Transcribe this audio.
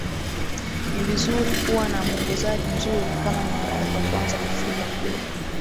Ni vizuri kuwa na muongozaji mzuri kama ni mara yako kwanza kufika kule